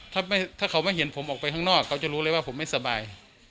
ถ้าเขาไม่เห็นผมออกไปข้างนอกเขาจะรู้เลยว่าผมไม่สบาย